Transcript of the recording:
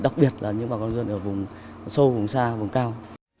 đặc biệt là những bà con dân ở vùng sâu vùng xa vùng cao